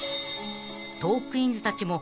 ［トークィーンズたちも］